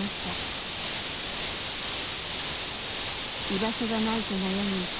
居場所がないと悩み